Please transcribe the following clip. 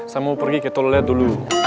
saya mau pergi ke toilet dulu